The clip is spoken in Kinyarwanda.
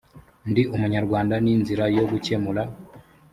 ndi umunyarwanda ni inzira yo gukemura